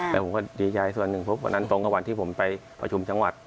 แต่ผมก็ดีใจส่วนหนึ่งเพราะวันนั้นตรงกับวันที่ผมไปประชุมจังหวัด